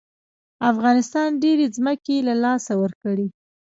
افغانستان ډېرې ځمکې له لاسه ورکړې.